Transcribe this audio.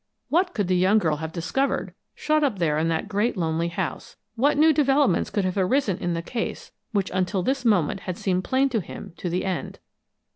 What could the young girl have discovered, shut up there in that great lonely house? What new developments could have arisen, in the case which until this moment had seemed plain to him to the end?